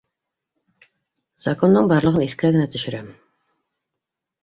Закондың барлығын иҫкә генә төшөрәм